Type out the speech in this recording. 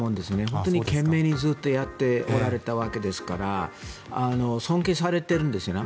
本当に懸命にずっとやられておられたわけですから尊敬されているんですね。